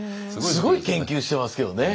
すごい研究してますけどね。